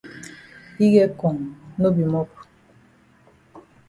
Yi get kong no be mop.